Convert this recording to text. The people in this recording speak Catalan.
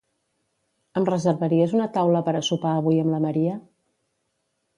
Em reservaries una taula per a sopar avui amb la Maria?